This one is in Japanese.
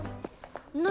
何？